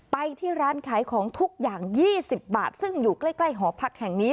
ไปที่ร้านขายของทุกอย่าง๒๐บาทซึ่งอยู่ใกล้หอพักแห่งนี้